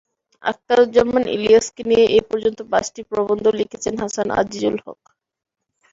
আখতারুজ্জামান ইলিয়াসকে নিয়ে এ পর্যন্ত পাঁচটি প্রবন্ধ লিখেছেন হাসান আজিজুল হক।